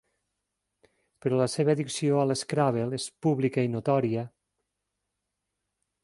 Però la seva addicció a l'Scrabble és pública i notòria.